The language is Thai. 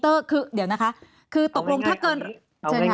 มันไม่เกี่ยวกับตัวเตือกรรมทั้งเมตร